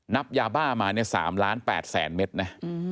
นับยาบ้ามาเนี่ย๓ล้าน๘แสนเมตรนะ